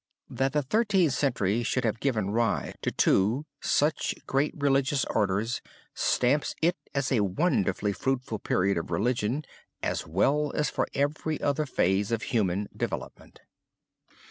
That the Thirteenth Century should have given rise to two such great religious orders stamps it as a wonderfully fruitful period for religion as well as for every other phrase of human development.